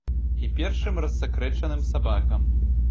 І першым рассакрэчаным сабакам.